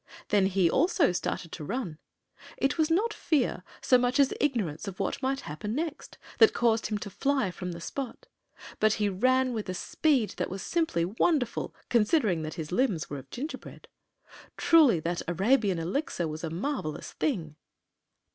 Then he, also, started to run. It was not fear, so much as ignorance of what might happen next, that caused him to fly from the spot; but he ran with a speed that was simply wonderful, considering that his limbs were of gingerbread. Truly, that Arabian Elixir was a marvelous thing!